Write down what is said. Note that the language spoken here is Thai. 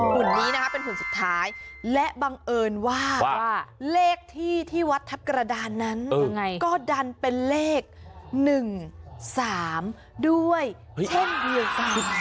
หุ่นนี้นะคะเป็นหุ่นสุดท้ายและบังเอิญว่าเลขที่ที่วัดทัพกระดานนั้นก็ดันเป็นเลข๑๓ด้วยเช่นเดียวกัน